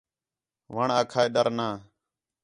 وݨ آکھا ہِے ڈَر نہ